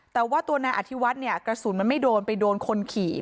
แต่ว่าตัวนายอธิวัฒน์เนี่ยกระสุนมันไม่โดนไปโดนคนขี่